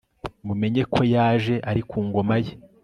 mumenye ko yaje ari ku ngoma ye